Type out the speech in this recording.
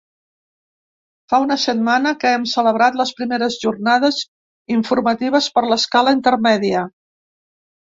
Fa una setmana que hem celebrat les primeres jornades informatives per l’escala intermèdia.